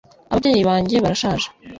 ababyeyi banjye barashaje